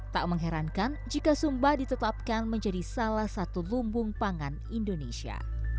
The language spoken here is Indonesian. tak mengherankan jika sumba ditetapkan menjadi salah satu lumbung pangan indonesia